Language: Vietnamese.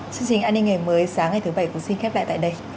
chương trình an ninh ngày mới sáng ngày thứ bảy cũng xin khép lại tại đây